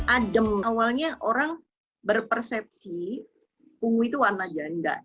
adem awalnya orang berpersepsi ungu itu warna janda